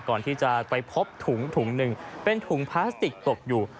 ก่อนที่จะไปพบถุงถุงหนึ่งเป็นถุงพลาสติกตกอยู่